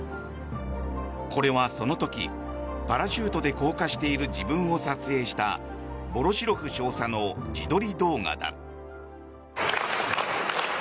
これはその時、パラシュートで降下している自分を撮影したヴォロシロフ少佐の自撮り動画だ。